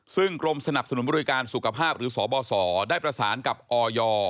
ซึ่งกรมสนับสนุนบริการสุขภาพหรือสบสได้ประสานกับออย